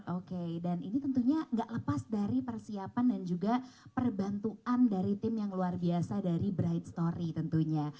oke dan ini tentunya gak lepas dari persiapan dan juga perbantuan dari tim yang luar biasa dari bright story tentunya